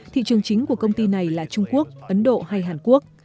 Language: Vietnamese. thị trường chính của công ty này là trung quốc ấn độ hay hàn quốc